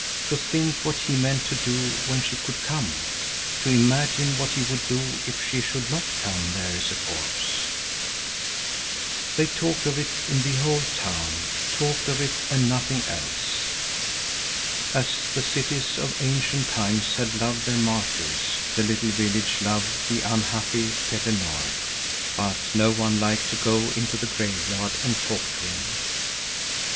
To think what he meant to do when she should come! To imagine what he would do if she should not come there as a corpse! They talked of it in the whole town, talked of it and nothing else. As the cities of ancient times had loved their martyrs, the little village loved the unhappy Petter Nord; but no one liked to go into the graveyard and talk to him.